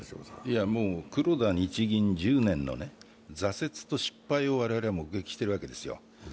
黒田日銀１０年の挫折と失敗を我々は目撃してるわけですよ。